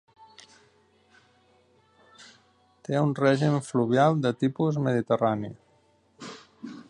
Té un règim fluvial de tipus mediterrani.